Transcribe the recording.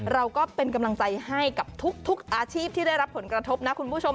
เราก็เป็นกำลังใจให้กับทุกอาชีพที่ได้รับผลกระทบนะคุณผู้ชม